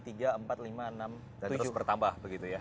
terus bertambah begitu ya